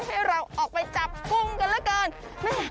ให้เราออกไปจับกุ้งกันละกัน